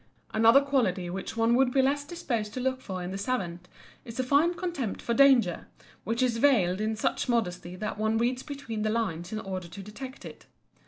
Another quality which one would be less disposed to look for in the savant is a fine contempt for danger, which is veiled in such modesty that one reads between the lines in order to detect it.